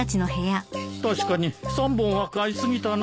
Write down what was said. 確かに３本は買い過ぎたな。